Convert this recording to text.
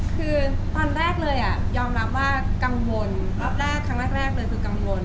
คือตอนแรกเลยยอมรับว่ากังวลรอบแรกครั้งแรกเลยคือกังวล